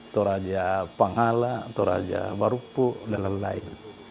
toraja panghala toraja barupu dan lain lain